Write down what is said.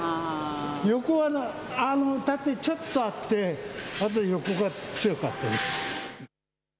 横はね、縦ちょっとあって、あと横が強かったです。